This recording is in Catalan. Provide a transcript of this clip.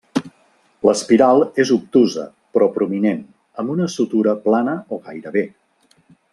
L'espiral és obtusa però prominent, amb una sutura plana o gairebé.